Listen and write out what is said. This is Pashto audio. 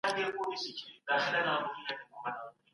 ښه فکرونه غیر ضروري ویره له منځه وړي.